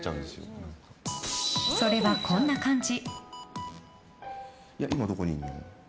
それは、こんな感じ！